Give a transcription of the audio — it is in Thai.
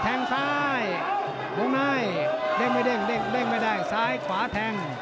แทงซ้ายลงไหนเด้งไม่ได้ซ้ายขวาแทง